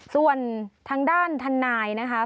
ส่วนทางด้านทนายนะคะ